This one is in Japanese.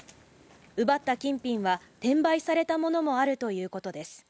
奪った金品は転売されたものもあるということです。